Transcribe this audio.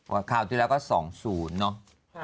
คราวที่แล้วก็๒๐เนอะ